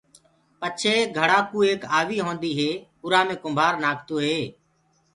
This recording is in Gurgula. پچهي گھڙآ ڪو ايڪ آوي هوندي هي اُرآ مي ڪُمڀآر نآکدو هي۔